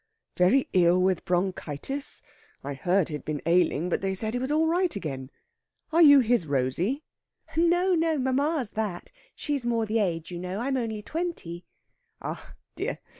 Very ill with bronchitis? I heard he'd been ailing, but they said he was all right again. Are you his Rosey?" "No, no; mamma's that! She's more the age, you know. I'm only twenty." "Ah dear!